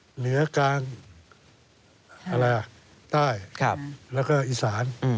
เหนือกลางใต้แล้วก็อีสาน